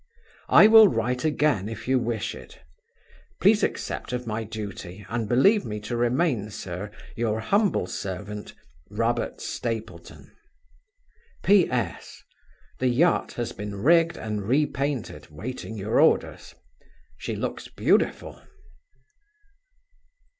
"I will write again if you wish it. Please accept of my duty, and believe me to remain, sir, your humble servant, "ROBERT STAPLETON. "P. S. The yacht has been rigged and repainted, waiting your orders. She looks beautiful."